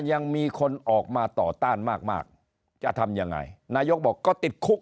ยังมีคนออกมาต่อต้านมากมากจะทำยังไงนายกบอกก็ติดคุก